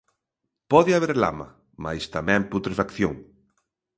Pode haber lama, mais tamén putrefacción.